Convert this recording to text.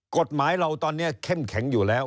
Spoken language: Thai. กฎหมายเราตอนนี้เข้มแข็งอยู่แล้ว